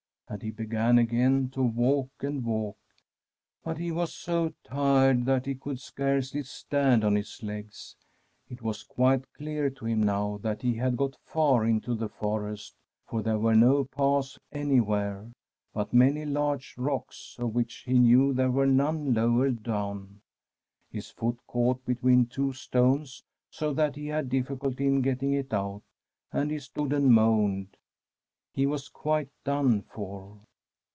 And he be gan again to walk and walk ; but he was so tired that he could scarcely stand on his legs. It was quite clear to him now that he had got far into the forest^ for there were no paths anywhere, but ( 300 1 Tbi PEACE 9f GOD many large rocks, of which he knew there were none lower down. His foot caught between two stones, so that he had difficulty in getting it out, and he stood and moaned. He was quite done for.